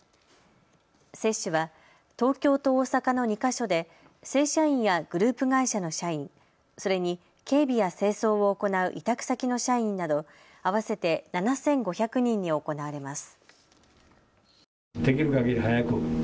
接種は東京と大阪の２か所で正社員やグループ会社の社員、それに警備や清掃を行う委託先の社員など合わせて７５００人に行われます。